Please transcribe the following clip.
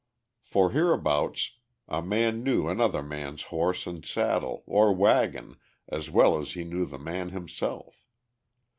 For hereabouts a man knew another man's horse and saddle, or wagon, as well as he knew the man himself.